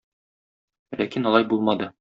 Ләкин алай булмады.